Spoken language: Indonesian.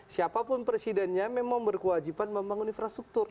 siapapun presidennya memang berkewajiban membangun infrastruktur